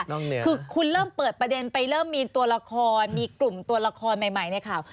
คือคุณเริ่มเปิดประเด็นไปเริ่มมีตัวละครมีกลุ่มตัวละครใหม่ในข่าว